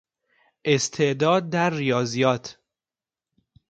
استعداد در ریاضیات